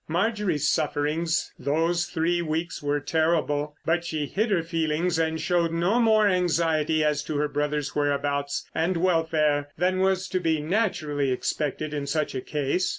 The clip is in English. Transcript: Marjorie's sufferings those three weeks were terrible, but she hid her feelings and showed no more anxiety as to her brother's whereabouts and welfare than was to be naturally expected in such a case.